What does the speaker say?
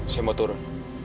saya mau turun